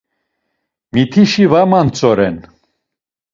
Mitişi var mantzoren.